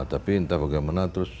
tapi entah bagaimana terus